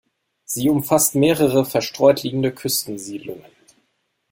Sie umfasst mehrere verstreut liegende Küstensiedlungen.